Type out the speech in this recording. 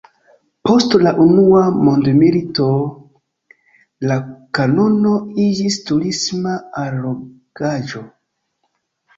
Post la Unua Mondmilito la kanono iĝis turisma allogaĵo.